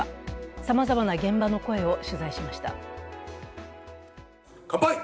さまざまな現場の声を取材しました。